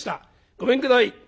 ごめんください。